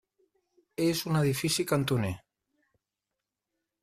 És un edifici cantoner.